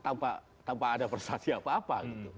tanpa tanpa ada persatia apa apa gitu